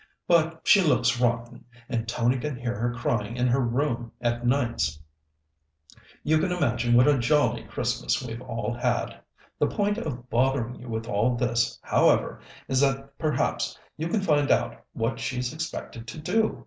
But she looks rotten, and Tony can hear her crying in her own room at nights. You can imagine what a jolly Christmas we've all had! The point of bothering you with all this, however, is that perhaps you can find out what she's expected to do.